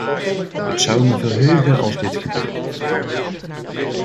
Het zou me verheugen als dit gebeurde.